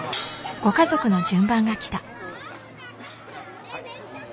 ご家族の順番が来た。